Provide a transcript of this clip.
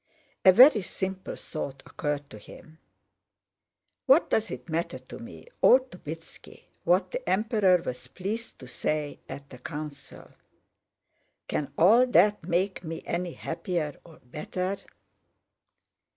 A very simple thought occurred to him: "What does it matter to me or to Bítski what the Emperor was pleased to say at the Council? Can all that make me any happier or better?"